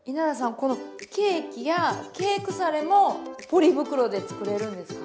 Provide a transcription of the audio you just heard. このケーキやケークサレもポリ袋で作れるんですか？